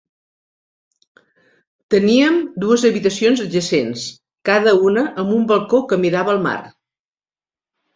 Teníem dues habitacions adjacents, cada una amb un balcó que mirava al mar.